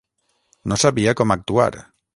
No sabia com actuar.